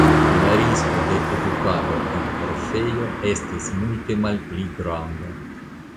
La risko de edukado en orfejo estis multe malpli granda".